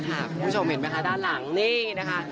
คุณผู้ชมเห็นไหมคะด้านหลังนี่นะคะ